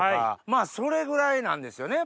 まぁそれぐらいなんですよね